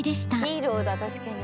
ヒーローだ確かに。